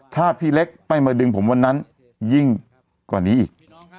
ถ้าพี่เล็กไม่มาดึงผมวันนั้นยิ่งกว่านี้อีก